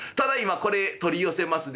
これへ取り寄せますで」。